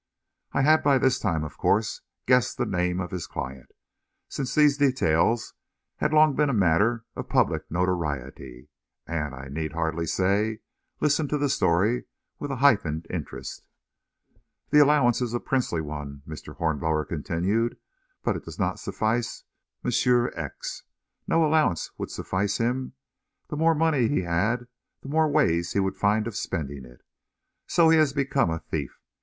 I had by this time, of course, guessed the name of his client, since these details had long been a matter of public notoriety, and, I need hardly say, listened to the story with a heightened interest. "The allowance is a princely one," Mr. Hornblower continued, "but it does not suffice Monsieur X. No allowance would suffice him the more money he had, the more ways he would find of spending it. So he has become a thief.